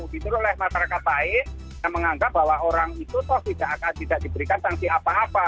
ditiru oleh masyarakat lain yang menganggap bahwa orang itu tidak diberikan sanksi apa apa